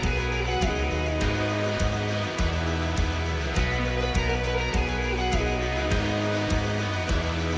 kita lihat perkembangannya seminggu ini